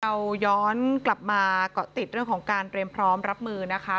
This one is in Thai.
เราย้อนกลับมาเกาะติดเรื่องของการเตรียมพร้อมรับมือนะคะ